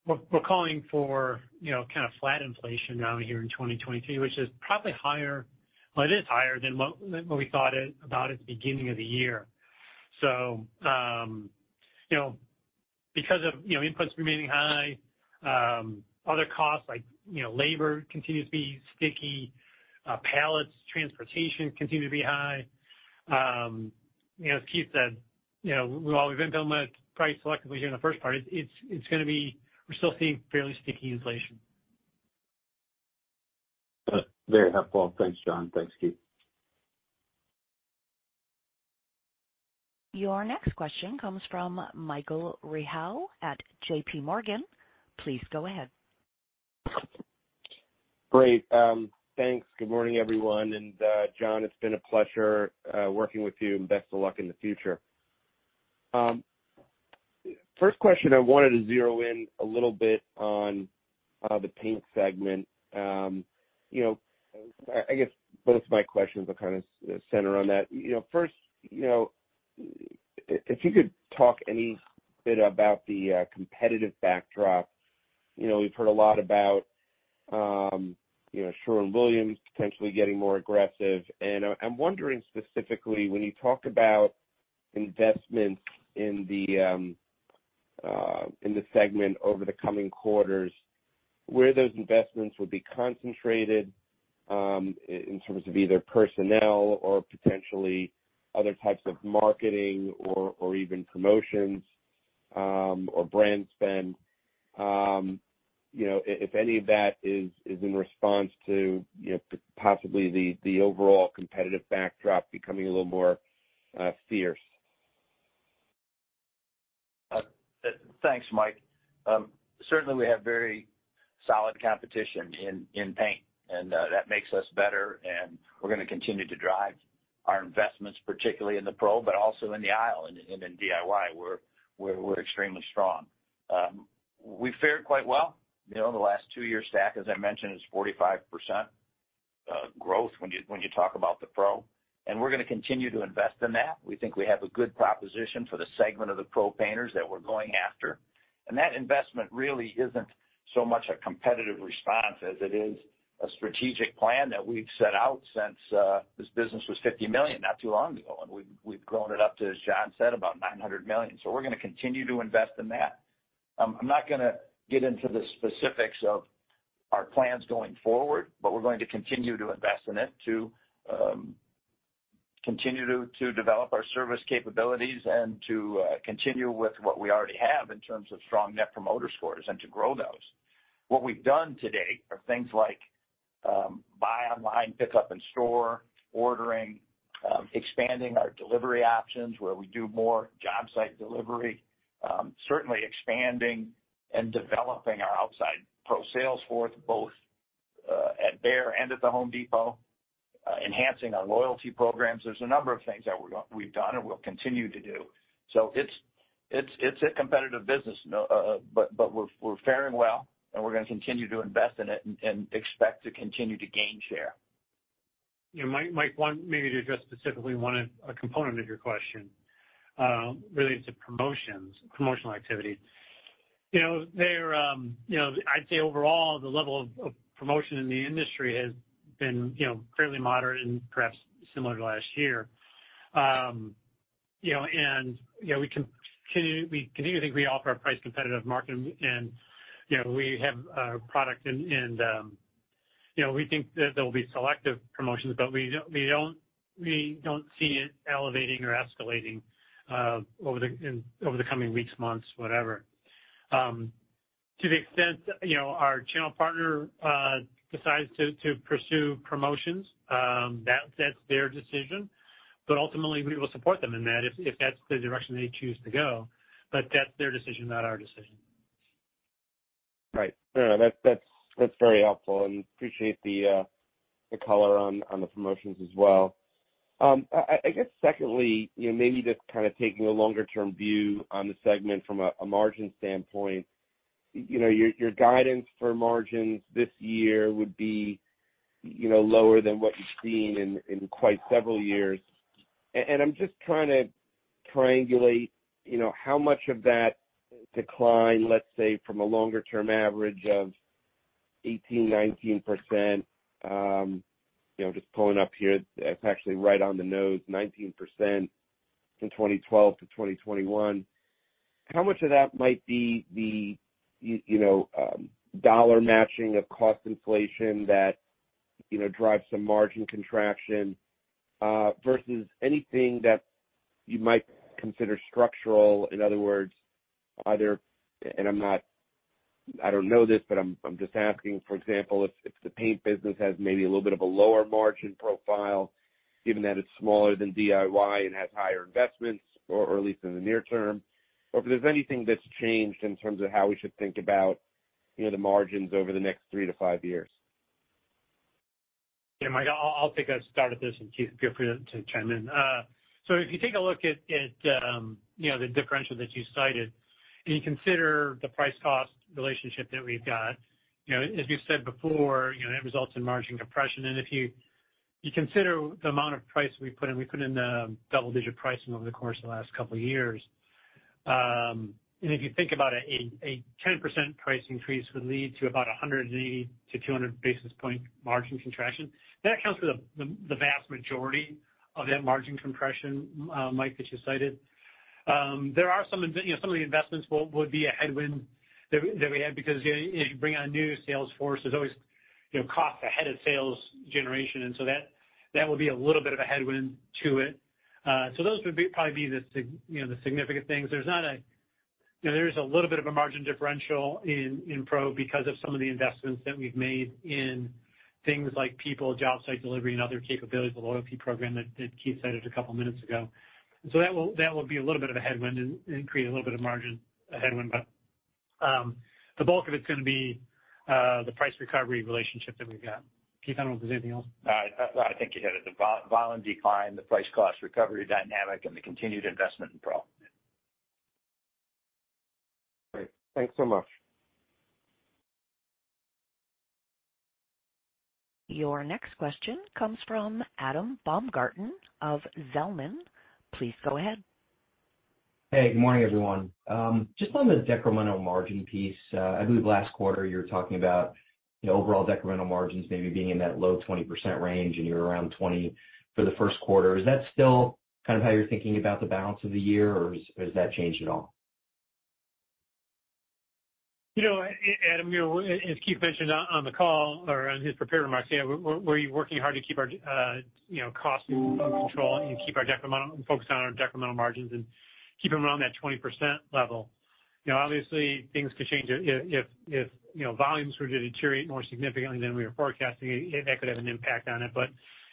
we're calling for, you know, kind of flat inflation out here in 2023, which is probably higher, well, it is higher than what we thought about at the beginning of the year. You know, because of, you know, inputs remaining high, other costs like, you know, labor continues to be sticky, pallets, transportation continue to be high. You know, as Keith said, you know, while we've implemented price selectively here in the first part, we're still seeing fairly sticky inflation. Very helpful. Thanks, John. Thanks, Keith. Your next question comes from Michael Rehaut at J.P. Morgan. Please go ahead. Great. Thanks. Good morning, everyone. John, it's been a pleasure working with you, and best of luck in the future. First question, I wanted to zero in a little bit on the paint segment. You know, I guess both my questions will kind of center on that. You know, first, you know, if you could talk any bit about the competitive backdrop. You know, we've heard a lot about, you know, Sherwin-Williams potentially getting more aggressive. I'm wondering specifically when you talk about investments in the in the segment over the coming quarters, where those investments would be concentrated, in terms of either personnel or potentially other types of marketing or even promotions, or brand spend, you know, if any of that is in response to, you know, possibly the overall competitive backdrop becoming a little more fierce? Thanks, Mike. Certainly, we have very solid competition in paint, and that makes us better, and we're gonna continue to drive our investments, particularly in the pro, but also in the aisle and in DIY, we're extremely strong. We fared quite well. You know, the last two-year stack, as I mentioned, is 45% growth when you talk about the pro, and we're gonna continue to invest in that. We think we have a good proposition for the segment of the pro painters that we're going after. That investment really isn't so much a competitive response as it is a strategic plan that we've set out since this business was $50 million not too long ago, and we've grown it up to, as John said, about $900 million. We're gonna continue to invest in that. I'm not gonna get into the specifics of our plans going forward, but we're going to continue to invest in it, to continue to develop our service capabilities and to continue with what we already have in terms of strong Net Promoter Score and to grow those. What we've done to date are things like buy online, pickup in store, ordering, expanding our delivery options where we do more job site delivery, certainly expanding and developing our outside pro sales force, both at Behr and at the Home Depot, enhancing our loyalty programs. There's a number of things that we've done and we'll continue to do. It's, it's a competitive business, but we're faring well, and we're gonna continue to invest in it and expect to continue to gain share. Yeah, Mike, one maybe to address specifically one of a component of your question relates to promotions, promotional activity. You know, they're, you know, I'd say overall, the level of promotion in the industry has been, you know, fairly moderate and perhaps similar to last year. You know, and, you know, we continue to think we offer a price-competitive market and, you know, we have product and, you know, we think that there will be selective promotions, but we don't see it elevating or escalating over the coming weeks, months, whatever. To the extent, you know, our channel partner decides to pursue promotions, that's their decision. Ultimately, we will support them in that if that's the direction they choose to go. That's their decision, not our decision. Right. No, that's very helpful, and appreciate the color on the promotions as well. I guess secondly, you know, maybe just kind of taking a longer-term view on the segment from a margin standpoint. You know, your guidance for margins this year would be, you know, lower than what you've seen in quite several years. I'm just trying to triangulate, you know, how much of that decline, let's say, from a longer-term average of 18%, 19%, you know, just pulling up here, it's actually right on the nose, 19% from 2012 to 2021. How much of that might be the, you know, dollar matching of cost inflation that, you know, drives some margin contraction versus anything that you might consider structural. In other words, are there and I'm not I don't know this, but I'm just asking, for example, if the paint business has maybe a little bit of a lower margin profile given that it's smaller than DIY and has higher investments, or at least in the near term, or if there's anything that's changed in terms of how we should think about, you know, the margins over the next three to five years. Yeah, Mike, I'll take a start at this, and Keith, feel free to chime in. If you take a look at, you know, the differential that you cited and you consider the price-cost relationship that we've got. You know, as we've said before, you know, it results in margin compression. If you consider the amount of price we put in, we put in double-digit pricing over the course of the last couple years. If you think about a 10% price increase would lead to about 180-200 basis point margin contraction. That accounts for the vast majority of that margin compression, Mike, that you cited. There are some you know, some of the investments would be a headwind that we have because, you know, if you bring on new sales force, there's always, you know, costs ahead of sales generation. That would be a little bit of a headwind to it. Those probably be you know, the significant things. You know, there is a little bit of a margin differential in PRO because of some of the investments that we've made in things like people, job site delivery, and other capabilities, the loyalty program that Keith cited a couple minutes ago. That will be a little bit of a headwind and create a little bit of margin headwind. The bulk of it's gonna be the price recovery relationship that we've got. Keith, I don't know if there's anything else? No. I think you hit it. The volume decline, the price cost recovery dynamic, and the continued investment in Pro. Great. Thanks so much. Your next question comes from Adam Baumgarten of Zelman. Please go ahead. Hey, good morning, everyone. Just on the decremental margin piece. I believe last quarter you were talking about, you know, overall decremental margins maybe being in that low 20% range, and you're around 20 for the first quarter. Is that still kind of how you're thinking about the balance of the year, or has that changed at all? You know, Adam, you know, as Keith mentioned on the call or on his prepared remarks, you know, we're working hard to keep our, you know, costs under control and keep our focused on our decremental margins and keep them around that 20% level. You know, obviously, things could change if, you know, volumes were to deteriorate more significantly than we are forecasting. That could have an impact on it.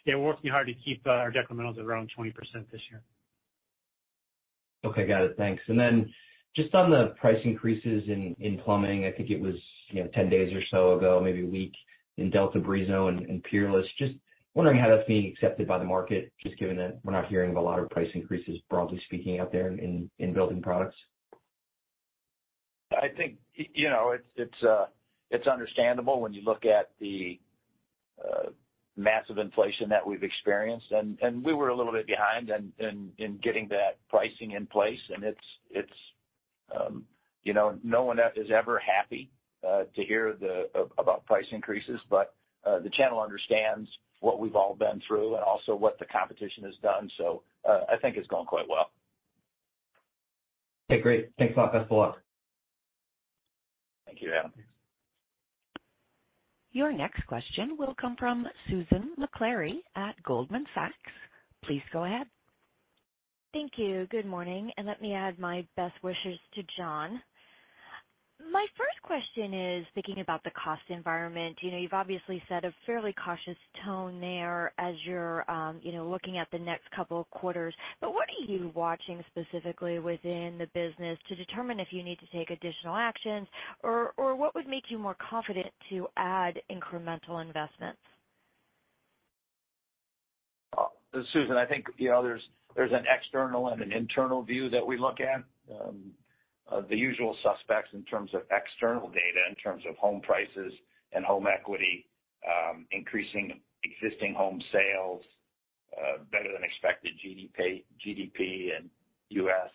Yeah, we're working hard to keep our decrementals around 20% this year. Okay. Got it. Thanks. Then just on the price increases in plumbing. I think it was, you know, 10 days or so ago, maybe 1 week in Delta, Brizo, and Peerless. Just wondering how that's being accepted by the market, just given that we're not hearing of a lot of price increases, broadly speaking, out there in building products? I think, you know, it's understandable when you look at the massive inflation that we've experienced. We were a little bit behind in getting that pricing in place. It's, you know, no one is ever happy to hear about price increases. The channel understands what we've all been through and also what the competition has done. I think it's going quite well. Okay, great. Thanks a lot. Best of luck. Thank you, Adam. Your next question will come from Susan Maklari at Goldman Sachs. Please go ahead. Thank you. Good morning. Let me add my best wishes to John. My first question is thinking about the cost environment. You know, you've obviously set a fairly cautious tone there as you're, you know, looking at the next couple of quarters. What are you watching specifically within the business to determine if you need to take additional actions? Or what would make you more confident to add incremental investments? Susan, I think, you know, there's an external and an internal view that we look at. The usual suspects in terms of external data, in terms of home prices and home equity, increasing existing home sales, better than expected GDP in U.S.,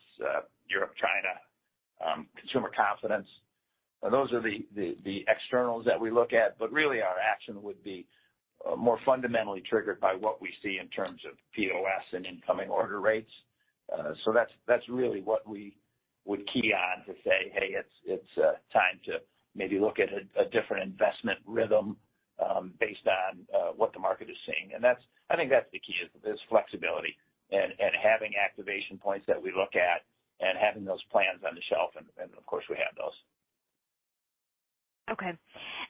Europe, China, consumer confidence. Those are the externals that we look at, but really our action would be more fundamentally triggered by what we see in terms of POS and incoming order rates. That's really what we would key on to say, "Hey, it's time to maybe look at a different investment rhythm, based on what the market is seeing." I think that's the key is flexibility and having activation points that we look at and having those plans on the shelf. And of course, we have those.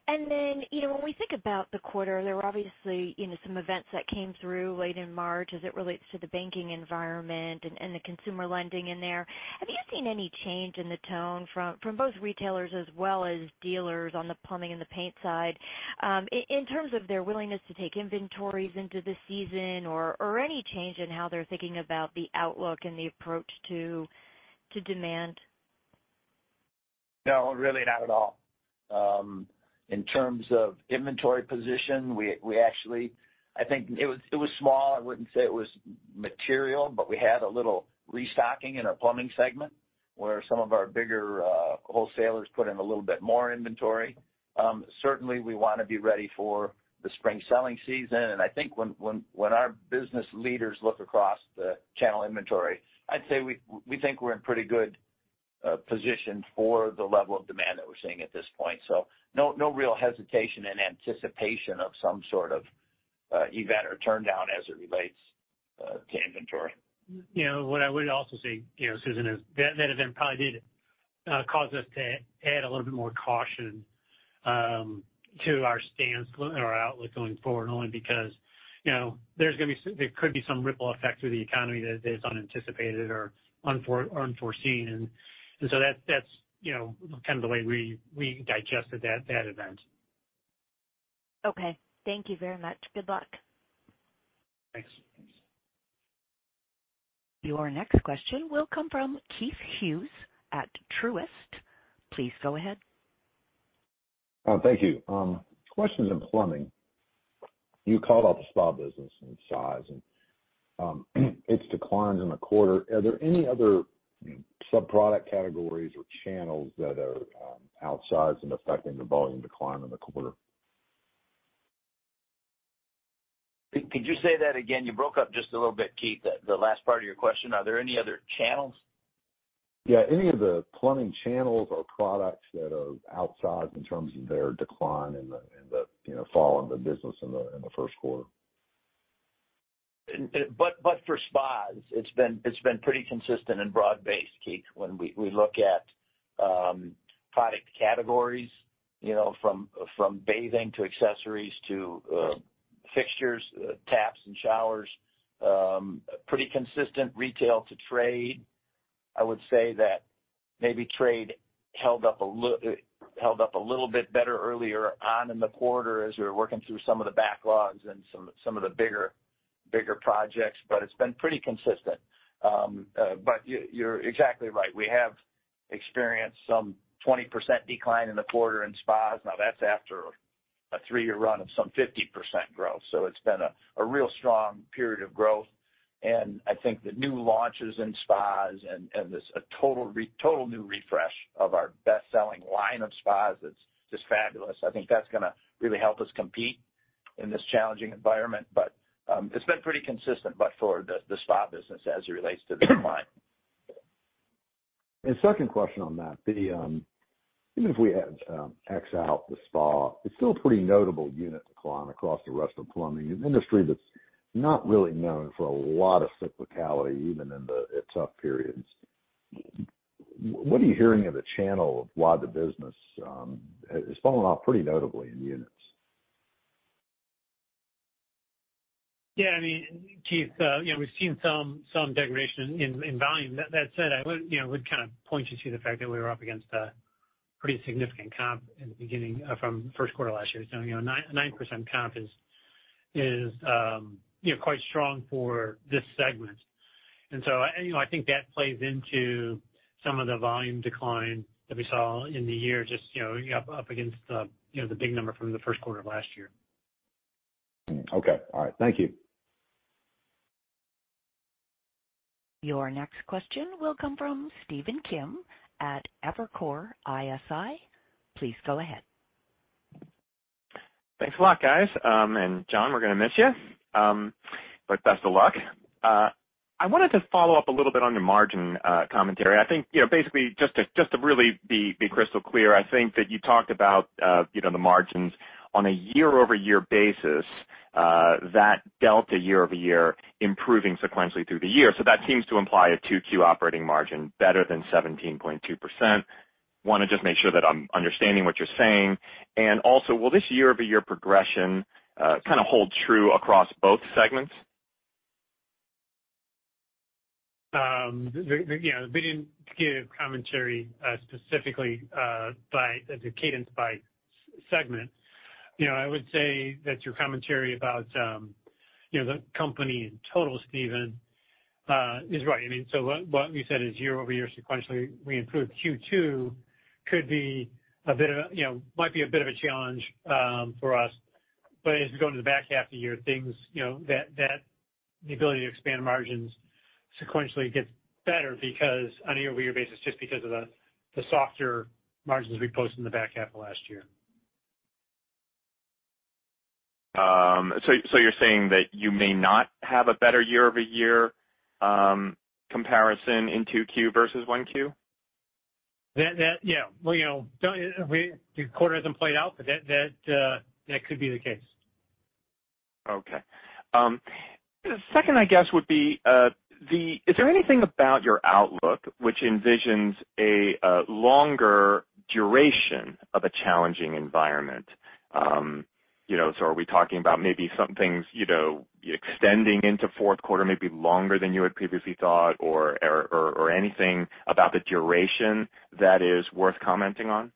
Okay. Then, you know, when we think about the quarter, there were obviously, you know, some events that came through late in March as it relates to the banking environment and the consumer lending in there. Have you seen any change in the tone from both retailers as well as dealers on the plumbing and the paint side, in terms of their willingness to take inventories into the season or any change in how they're thinking about the outlook and the approach to demand? No, really not at all. In terms of inventory position, we actually I think it was small. I wouldn't say it was material, but we had a little restocking in our plumbing segment, where some of our bigger wholesalers put in a little bit more inventory. Certainly we wanna be ready for the spring selling season. I think when our business leaders look across the channel inventory, I'd say we think we're in pretty good position for the level of demand that we're seeing at this point. No, no real hesitation and anticipation of some sort of event or turndown as it relates to inventory. You know, what I would also say, you know, Susan, is that event probably did cause us to add a little bit more caution to our stance or our outlook going forward only because, you know, there's gonna be there could be some ripple effects with the economy that is unanticipated or unforeseen. That's, you know, kind of the way we digested that event. Okay. Thank you very much. Good luck. Thanks. Your next question will come from Keith Hughes at Truist. Please go ahead. Thank you. Question on plumbing. You called out the spa business in size and its declines in the quarter. Are there any other sub-product categories or channels that are outsized and affecting the volume decline in the quarter? Could you say that again? You broke up just a little bit, Keith. The last part of your question, are there any other channels? Yeah. Any of the plumbing channels or products that are outsized in terms of their decline in the, you know, fall in the business in the first quarter. For spas, it's been pretty consistent and broad-based, Keith. When we look at product categories, you know, from bathing to accessories to fixtures, taps and showers, pretty consistent retail to trade. I would say that maybe trade held up a little bit better earlier on in the quarter as we were working through some of the backlogs and some of the bigger projects, but it's been pretty consistent. You're exactly right. We have experienced some 20% decline in the quarter in spas. That's after a 3-year run of some 50% growth. It's been a real strong period of growth. I think the new launches in spas and this, a total new refresh of our best-selling line of spas is just fabulous. I think that's gonna really help us compete in this challenging environment, but, it's been pretty consistent. For the spa business as it relates to the decline. Second question on that. Even if we had X out the spa, it's still a pretty notable unit decline across the rest of plumbing, an industry that's not really known for a lot of cyclicality, even in the tough periods. What are you hearing in the channel of why the business has fallen off pretty notably in units? Yeah. I mean, Keith, you know, we've seen some degradation in volume. That said, I would, you know, kind of point you to the fact that we were up against a pretty significant comp in the beginning from first quarter last year. You know, 9% comp is, you know, quite strong for this segment. You know, I think that plays into some of the volume decline that we saw in the year, just, you know, up against the, you know, the big number from the first quarter of last year. Okay. All right. Thank you. Your next question will come from Stephen Kim at Evercore ISI. Please go ahead. Thanks a lot, guys. John, we're gonna miss you. Best of luck. I wanted to follow up a little bit on your margin commentary. I think, you know, basically just to really be crystal clear, I think that you talked about, you know, the margins on a year-over-year basis, that delta year-over-year improving sequentially through the year. That seems to imply a 2Q operating margin better than 17.2%. Wanna just make sure that I'm understanding what you're saying. Also, will this year-over-year progression kind of hold true across both segments? You know, we didn't give commentary specifically by the cadence by segment. You know, I would say that your commentary about, you know, the company in total, Stephen, is right. I mean, what we said is year-over-year sequentially, we improved Q2 could be a bit of, you know, might be a bit of a challenge for us. As we go into the back half of the year, things, you know, that the ability to expand margins sequentially gets better because on a year-over-year basis, just because of the softer margins we posted in the back half of last year. You're saying that you may not have a better year-over-year comparison in 2Q versus 1Q? That yeah. Well, you know, we the quarter hasn't played out, but that could be the case. Okay. second, I guess, would be, is there anything about your outlook which envisions a longer duration of a challenging environment? you know, so are we talking about maybe some things, you know, extending into fourth quarter, maybe longer than you had previously thought or anything about the duration that is worth commenting on?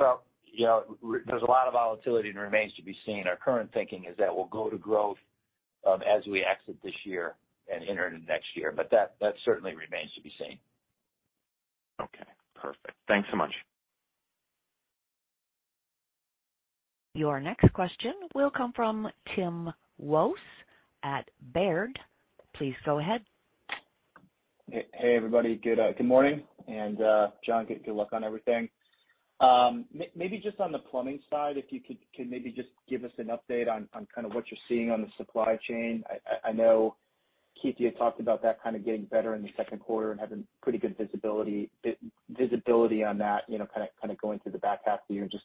Well, you know, there's a lot of volatility and remains to be seen. Our current thinking is that we'll go to growth as we exit this year and enter into next year, but that certainly remains to be seen. Okay. Perfect. Thanks so much. Your next question will come from Timothy Wojs at Baird. Please go ahead. Hey, everybody. Good morning. John, good luck on everything. Maybe just on the plumbing side, if you could maybe just give us an update on kind of what you're seeing on the supply chain. I know, Keith, you had talked about that kind of getting better in the second quarter and having pretty good visibility on that, you know, kind of going through the back half of the year. Just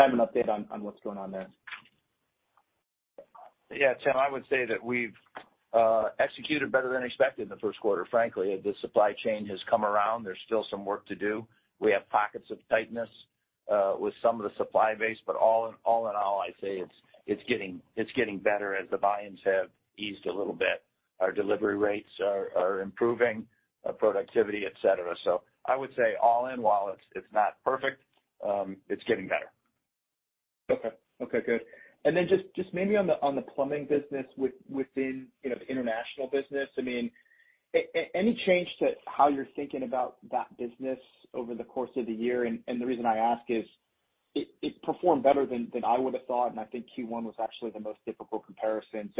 kind of an update on what's going on there. Yeah, Tim, I would say that we've executed better than expected in the first quarter, frankly, as the supply chain has come around. There's still some work to do. We have pockets of tightness with some of the supply base. All in all, I'd say it's getting better as the volumes have eased a little bit. Our delivery rates are improving, productivity, et cetera. I would say all in, while it's not perfect, it's getting better. Okay, good. Then just maybe on the, on the plumbing business within, you know, the international business. I mean, any change to how you're thinking about that business over the course of the year? The reason I ask is it performed better than I would have thought, and I think Q1 was actually the most difficult comparison.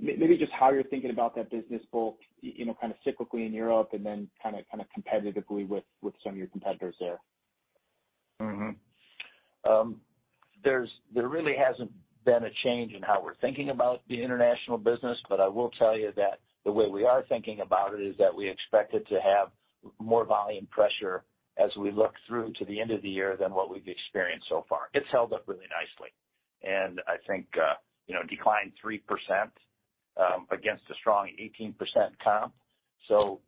Maybe just how you're thinking about that business, both, you know, kind of cyclically in Europe and then kinda competitively with some of your competitors there. There really hasn't been a change in how we're thinking about the international business, but I will tell you that the way we are thinking about it is that we expect it to have more volume pressure as we look through to the end of the year than what we've experienced so far. It's held up really nicely. And I think, you know, declined 3% against a strong 18% comp. So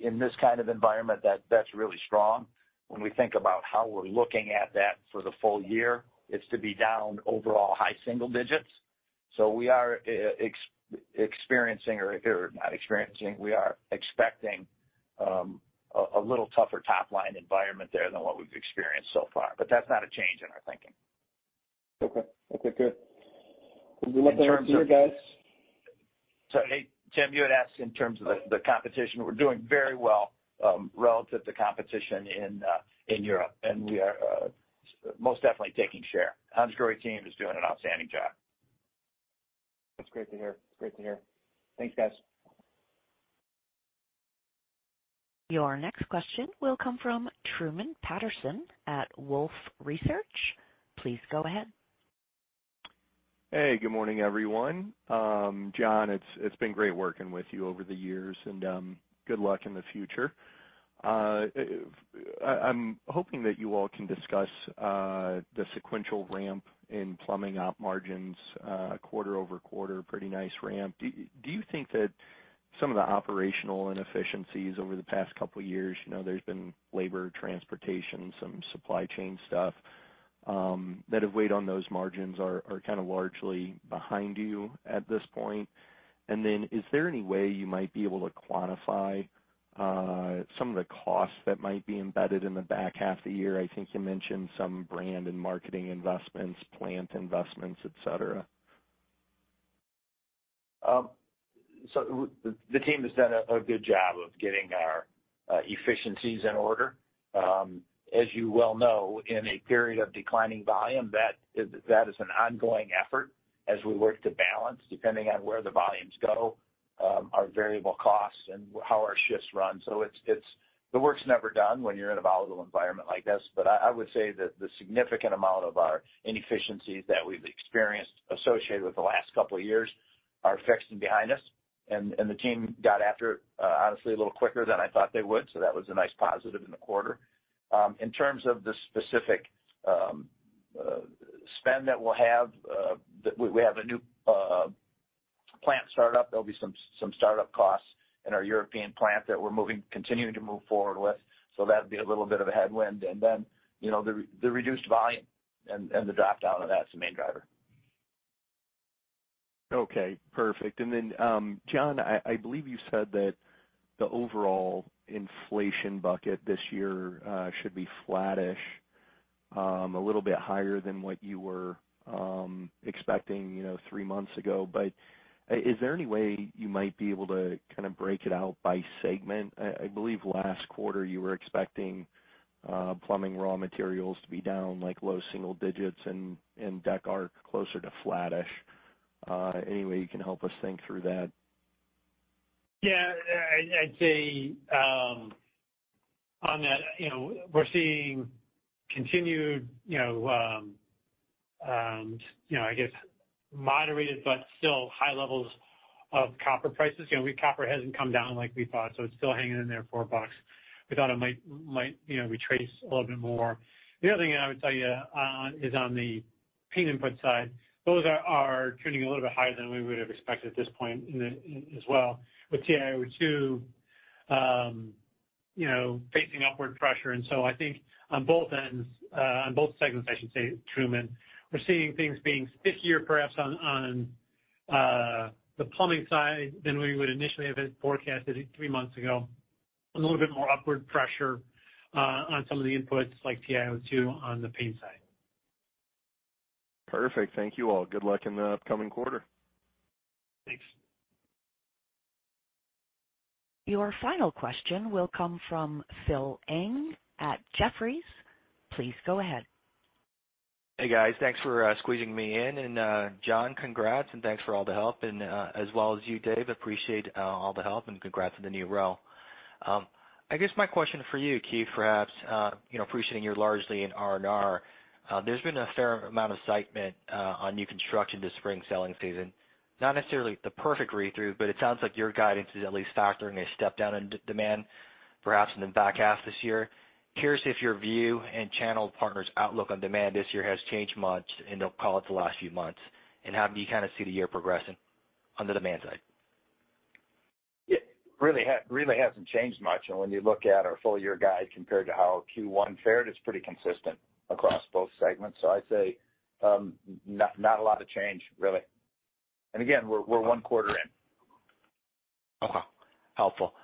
in this kind of environment, that's really strong. When we think about how we're looking at that for the full year, it's to be down overall high single digits. We are experiencing or not experiencing, we are expecting a little tougher top-line environment there than what we've experienced so far. But that's not a change in our thinking. Okay. Okay, good. Sorry. Hey, Tim, you had asked in terms of the competition. We're doing very well, relative to competition in Europe, and we are most definitely taking share. Hansgrohe team is doing an outstanding job. That's great to hear. It's great to hear. Thanks, guys. Your next question will come from Truman Patterson at Wolfe Research. Please go ahead. Hey, good morning, everyone. John, it's been great working with you over the years, and good luck in the future. I'm hoping that you all can discuss the sequential ramp in plumbing op margins quarter-over-quarter, pretty nice ramp. Do you think that some of the operational inefficiencies over the past couple of years, you know, there's been labor, transportation, some supply chain stuff, that have weighed on those margins are kinda largely behind you at this point? Is there any way you might be able to quantify some of the costs that might be embedded in the back half of the year? I think you mentioned some brand and marketing investments, plant investments, et cetera. The team has done a good job of getting our efficiencies in order. As you well know, in a period of declining volume, that is, that is an ongoing effort as we work to balance, depending on where the volumes go, our variable costs and how our shifts run. It's, the work's never done when you're in a volatile environment like this. I would say that the significant amount of our inefficiencies that we've experienced associated with the last couple of years are fixed and behind us, and the team got after it, honestly, a little quicker than I thought they would, so that was a nice positive in the quarter. In terms of the specific spend that we'll have, that we have a new plant start up. There'll be some start-up costs in our European plant that we're continuing to move forward with, so that'd be a little bit of a headwind. You know, the reduced volume and the drop down on that's the main driver. Okay, perfect. John, I believe you said that the overall inflation bucket this year should be flattish, a little bit higher than what you were expecting, you know, 3 months ago. Is there any way you might be able to kinda break it out by segment? I believe last quarter you were expecting plumbing raw materials to be down, like, low single digits and Decorative Architectural closer to flattish. Any way you can help us think through that? Yeah. I'd say, on that, you know, we're seeing continued, you know, you know, I guess moderated but still high levels of copper prices. You know, copper hasn't come down like we thought, so it's still hanging in there, $4. We thought it might, you know, retrace a little bit more. The other thing I would tell you, on the paint input side, those are trending a little bit higher than we would've expected at this point in the as well with TiO2, you know, facing upward pressure. I think on both ends, on both segments, I should say, Truman, we're seeing things being stickier perhaps on the plumbing side than we would initially have forecasted 3 months ago. A little bit more upward pressure on some of the inputs like TiO2 on the paint side. Perfect. Thank you all. Good luck in the upcoming quarter. Thanks. Your final question will come from Philip Ng at Jefferies. Please go ahead. Hey, guys. Thanks for squeezing me in. John, congrats and thanks for all the help. As well as you, Dave, appreciate all the help, and congrats on the new role. I guess my question for you, Keith, perhaps, you know, appreciating you're largely in R&R, there's been a fair amount of excitement on new construction this spring selling season. Not necessarily the perfect read-through, but it sounds like your guidance is at least factoring a step down in demand, perhaps in the back half this year. Curious if your view and channel partners' outlook on demand this year has changed much in, I'll call it, the last few months, and how do you kinda see the year progressing on the demand side? It really hasn't changed much. When you look at our full year guide compared to how Q1 fared, it's pretty consistent across both segments. I'd say, not a lot of change really. Again, we're one quarter in. Okay. Helpful.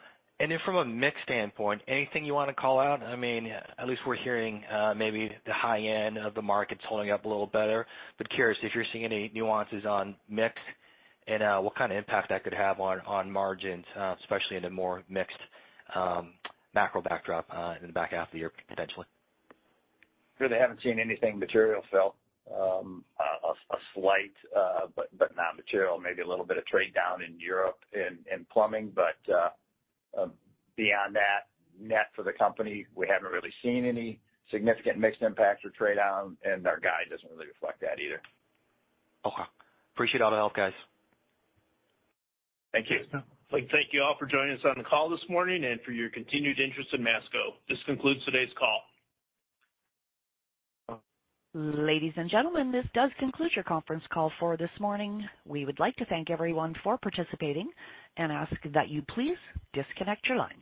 From a mix standpoint, anything you wanna call out? I mean, at least we're hearing, maybe the high end of the market's holding up a little better, but curious if you're seeing any nuances on mix and what kind of impact that could have on margins, especially in a more mixed macro backdrop in the back half of the year potentially. Really haven't seen anything material, Phil. A slight, but not material, maybe a little bit of trade down in Europe in plumbing. Beyond that, net for the company, we haven't really seen any significant mix impacts or trade down, and our guide doesn't really reflect that either. Okay. Appreciate all the help, guys. Thank you. Like to thank you all for joining us on the call this morning and for your continued interest in Masco. This concludes today's call. Ladies and gentlemen, this does conclude your conference call for this morning. We would like to thank everyone for participating and ask that you please disconnect your lines.